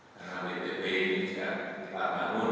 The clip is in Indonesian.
karena wtp ini tidak terbangun